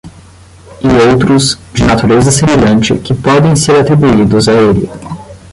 E outros, de natureza semelhante, que podem ser atribuídos a ele.